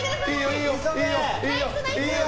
いいよ！